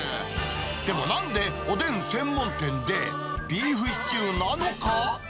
でもなんで、おでん専門店で、ビーフシチューなのか？